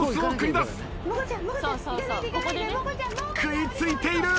食い付いている。